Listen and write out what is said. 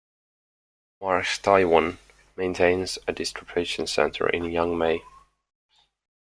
Maersk Taiwan maintains a distribution center in Yangmei.